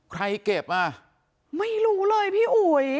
เก็บอ่ะไม่รู้เลยพี่อุ๋ย